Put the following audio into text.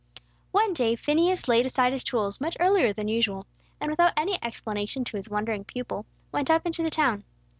One day Phineas laid aside his tools much earlier than usual, and without any explanation to his wondering pupil, went up into the town.